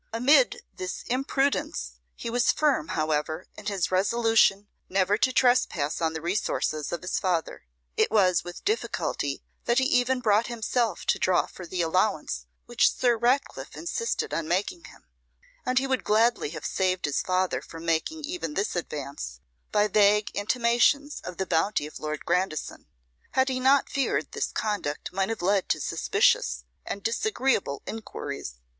Amid this imprudence he was firm, however, in his resolution never to trespass on the resources of his father. It was with difficulty that he even brought himself to draw for the allowance which Sir Ratcliffe insisted on making him; and he would gladly have saved his father from making even this advance, by vague intimations of the bounty of Lord Grandison, had he not feared this conduct might have led to suspicious and disagreeable enquiries.